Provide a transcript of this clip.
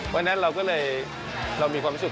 เพราะฉะนั้นเราก็เลยเรามีความสุข